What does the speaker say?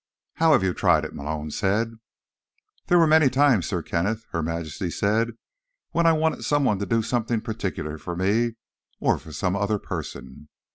"How have you tried it?" Malone said. "There were many times, Sir Kenneth," Her Majesty said, "when I wanted someone to do something particular for me or for some other person.